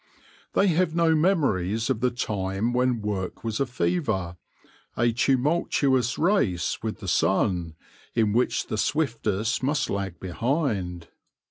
They have no memories of the time when work was a fever, a tumultuous race with the sun, in which the swiftest must lag behind.